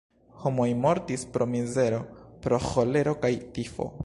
Homoj mortis pro mizero, pro ĥolero kaj tifo.